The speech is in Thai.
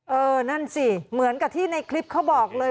เออนั่นสิเหมือนกับที่ในคลิปเขาบอกเลย